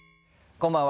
こんばんは。